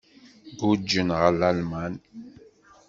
Guǧǧen ɣer Lalman.